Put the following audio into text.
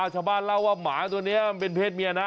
ชาวบ้านเล่าว่าหมาตัวนี้เป็นพวกเผ็ดเมียนะ